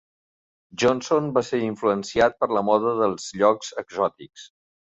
Johnson va ser influenciat per la moda dels llocs exòtics.